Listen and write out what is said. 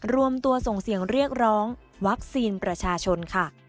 รวมตัวส่งเสียงเรียกร้องวัคซีนประชาชนค่ะ